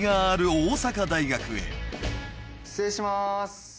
失礼しまーす。